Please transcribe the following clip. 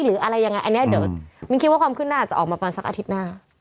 แล้วเดี๋ยวมีคิดว่าความคุญน่าจะออกมาฟังซักอาทิตย์หน้า